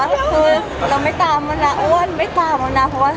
อะไรยังไงอยู่ด้วยไม่จับตาอยู่ด้วย